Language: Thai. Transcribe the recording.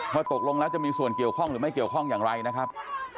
ตกลงแล้วจะมีส่วนเกี่ยวข้องหรือไม่เกี่ยวข้องอย่างไรนะครับ